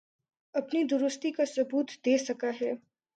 اپنی درستگی کا ثبوت دے چکا ہے